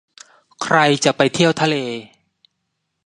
ใครจะไปเที่ยวทะเล